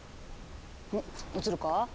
おっ映るか？